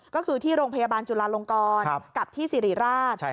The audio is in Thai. ก็คือที่โรงพยาบาลจุลาลงกรกับที่สิริราช